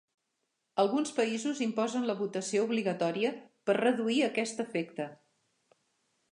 Alguns països imposen la votació obligatòria per reduir aquest efecte.